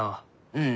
うん。